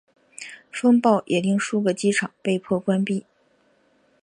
风暴也令数个机场被迫关闭。